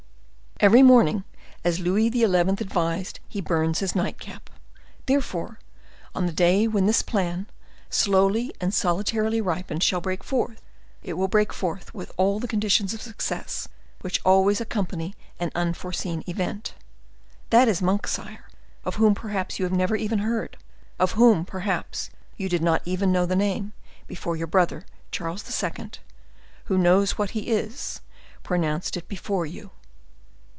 Every morning, as Louis XI. advised, he burns his nightcap. Therefore, on the day when this plan, slowly and solitarily ripened, shall break forth, it will break forth with all the conditions of success which always accompany an unforeseen event. That is Monk, sire, of whom, perhaps, you have never even heard—of whom, perhaps, you did not even know the name, before your brother, Charles II., who knows what he is, pronounced it before you.